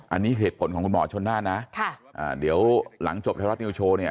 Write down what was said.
อันนี้เหตุผลของคุณหมอชนน่านนะเดี๋ยวหลังจบไทยรัฐนิวโชว์เนี่ย